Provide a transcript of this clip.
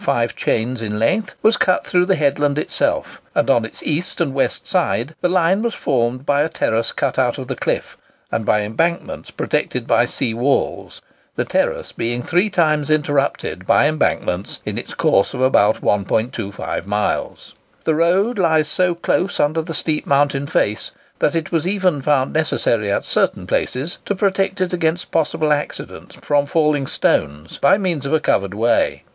] A tunnel 10½ chains in length was cut through the headland itself; and on its east and west sides the line was formed by a terrace cut out of the cliff, and by embankments protected by sea walls; the terrace being three times interrupted by embankments in its course of about 1¼ mile. The road lies so close under the steep mountain face, that it was even found necessary at certain places to protect it against possible accidents from falling stones, by means of a covered way.